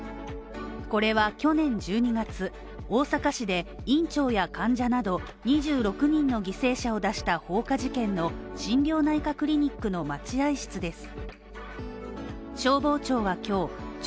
これは去年１２月、大阪市で、院長や患者など２６人の犠牲者を出した放火事件の心療内科クリニックの待合室です。